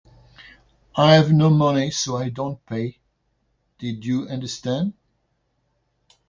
I have no money, so I don't pay. Did you understand?